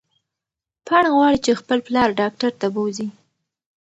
پاڼه غواړي چې خپل پلار ډاکټر ته بوځي.